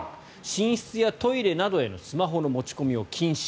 寝室やトイレなどへのスマホの持ち込みを禁止。